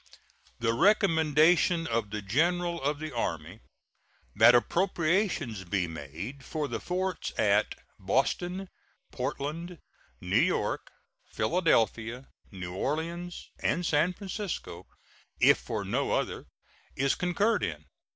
The recommendation of the General of the Army that appropriations be made for the forts at Boston, Portland, New York, Philadelphia, New Orleans, and San Francisco, if for no other, is concurred in.